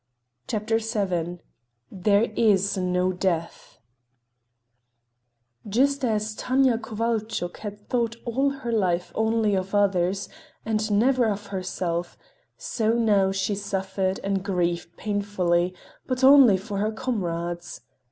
CHAPTER VII THERE IS NO DEATH Just as Tanya Kovalchuk had thought all her life only of others and never of herself, so now she suffered and grieved painfully, but only for her comrades.